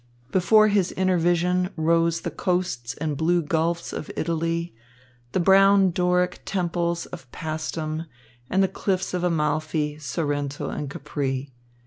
Before his inner vision rose the coasts and blue gulfs of Italy, the brown Doric temples of Pæstum and the cliffs of Amalfi, Sorrento, and Capri.